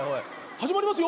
始まりますよ！